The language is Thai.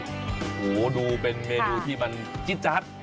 โอ้โหดูเป็นเมนูที่มันจิ๊จัด